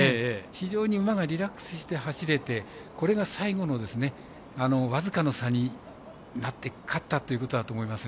非常に馬がリラックスして走れてこれが最後の僅かの差になって勝ったということだと思います。